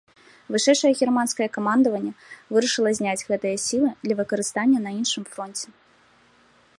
Вышэйшае германскае камандаванне вырашыла зняць гэтыя сілы для выкарыстання на іншым фронце.